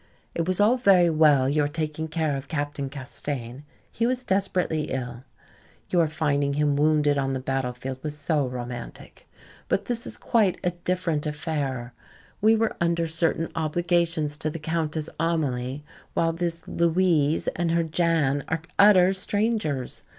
It was all very well your taking care of Captain Castaigne. He was desperately ill. Your finding him wounded on the battlefield was so romantic. But this is quite a different affair. We were under certain obligations to the Countess Amelie, while this 'Louise' and her 'Jan' are utter strangers.